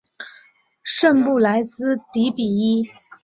圣布莱斯迪比伊。